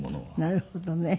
なるほどね。